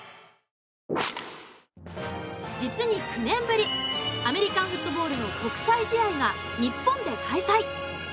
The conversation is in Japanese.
実に９年ぶりアメリカンフットボールの国際試合が日本で開催。